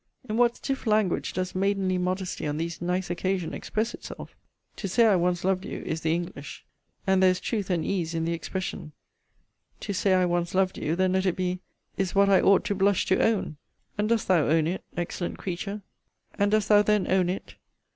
'* In what stiff language does maidenly modesty on these nice occasion express itself! To say I once loved you, is the English; and there is truth and ease in the expression. 'To say I once loved you,' then let it be, 'is what I ought to blush to own.' * See Letter XXXVI. of this volume. And dost thou own it, excellent creature? and dost thou then own it?